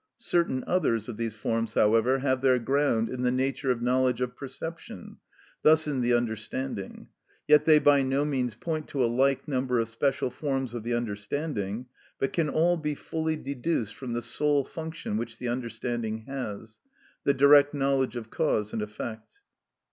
Certain others of these forms, however, have their ground in the nature of knowledge of perception, thus in the understanding; yet they by no means point to a like number of special forms of the understanding, but can all be fully deduced from the sole function which the understanding has—the direct knowledge of cause and effect.